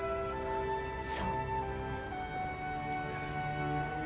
そう。